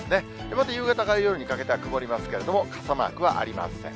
また夕方から夜にかけては曇りますけれども、傘マークはありません。